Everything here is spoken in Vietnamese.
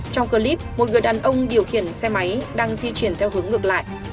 trong clip một người đàn ông điều khiển xe máy đang di chuyển theo hướng ngược lại